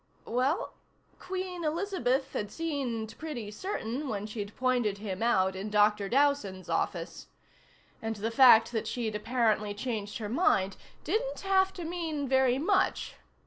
Well, Queen Elizabeth had seemed pretty certain when she'd pointed him out in Dr. Dowson's office. And the fact that she'd apparently changed her mind didn't have to mean very much.